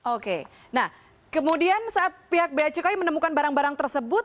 oke nah kemudian saat pihak bacukai menemukan barang barang tersebut